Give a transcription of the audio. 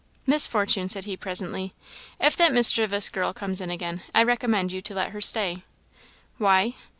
"Miss Fortune," said he, presently, "if that mischievous girl comes in again, I recommend you to let her stay." "Why?"